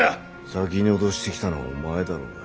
先に脅してきたのはお前だろうが。